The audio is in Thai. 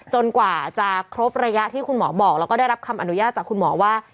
กว่าจะครบระยะที่คุณหมอบอกแล้วก็ได้รับคำอนุญาตจากคุณหมอว่า